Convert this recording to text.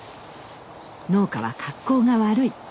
農家は格好が悪い。